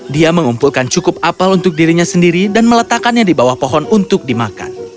dia mengumpulkan cukup apel untuk dirinya sendiri dan meletakkannya di bawah pohon untuk dimakan